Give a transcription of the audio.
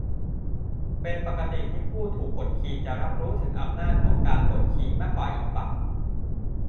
เป็นปกติที่ผู้ถูกกดขี่จะรับรู้ถึงอำนาจของการกดขี่มากกว่าอีกฝั่ง